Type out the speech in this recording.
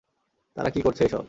তারা কী করছে এসব?